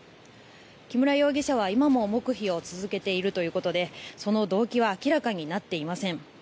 木村容疑者は今も黙秘を続けているということでその動機は明らかになっていません。